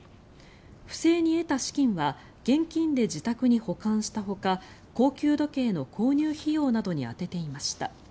不正に得た資金は現金で自宅に保管したほか高級時計の購入費用などに充てていました。